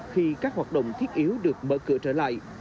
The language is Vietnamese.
khi các hoạt động thiết yếu được mở cửa trở lại